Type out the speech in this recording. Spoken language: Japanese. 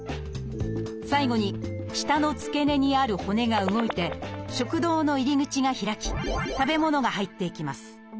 最後に舌の付け根にある骨が動いて食道の入り口が開き食べ物が入っていきます。